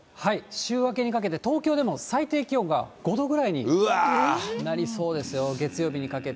週明けにかけて、東京でも最低気温が５度ぐらいになりそうですよ、月曜日にかけて。